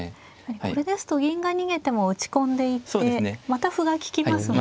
これですと銀が逃げても打ち込んでいってまた歩が利きますもんね。